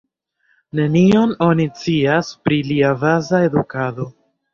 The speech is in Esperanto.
Nenion oni scias pri lia baza edukado.